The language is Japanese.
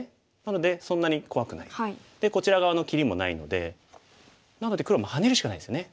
でこちら側の切りもないのでなので黒もハネるしかないですよね。